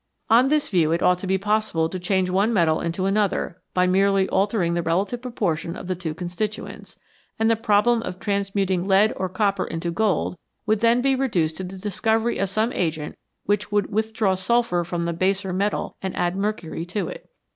On this view it ought to be possible to change one metal into another by merely altering the relative proportion of the two constituents, and the problem of transmuting lead or copper into gold would then be reduced to the discovery of some agent which would 'withdraw sulphur from the baser metal and add mercury to it.